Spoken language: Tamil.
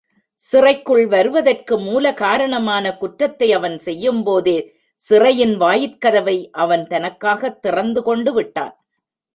சிறைக்குள் வருவதற்கு மூலகாரணமான குற்றத்தை அவன் செய்யும் போதே சிறையின் வாயிற்கதவை அவன் தனக்காகத் திறந்து கொண்டுவிட்டான்.